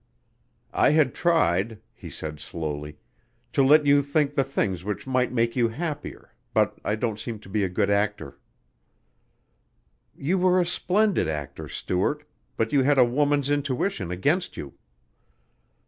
"I had tried," he said slowly, "to let you think the things which might make you happier but I don't seem to be a good actor." "You were a splendid actor, Stuart, but you had a woman's intuition against you."